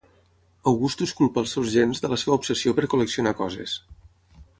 Augustus culpa els seus gens de la seva obsessió per col·leccionar coses.